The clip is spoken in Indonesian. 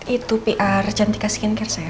itu pr cantika skincare saya